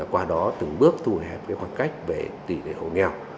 qua đó từng bước thu hẹp khoảng cách về tỉ lệ hồ nghèo